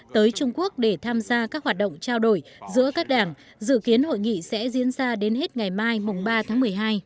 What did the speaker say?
tới trung quốc để tham gia các hoạt động trao đổi giữa các đảng dự kiến hội nghị sẽ diễn ra đến hết ngày mai ba tháng một mươi hai